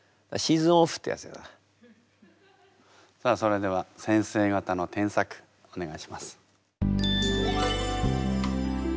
さあそれでは先生方の添削お願いします。